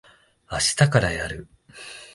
あしたからやる。